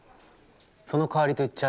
そのかわりと言っちゃ